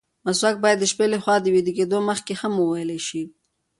مسواک باید د شپې له خوا د ویده کېدو مخکې هم ووهل شي.